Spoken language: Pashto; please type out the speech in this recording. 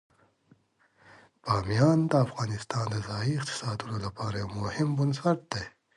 بامیان د افغانستان د ځایي اقتصادونو لپاره یو مهم بنسټ دی.